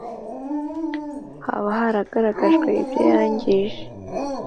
haba haragaragajwe ibyo yangije?